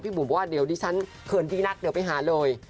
บุ๋มบอกว่าเดี๋ยวดิฉันเขินที่นักเดี๋ยวไปหาเลย